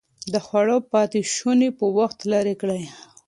د خوړو پاتې شوني په وخت لرې کړئ.